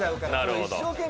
一生懸命。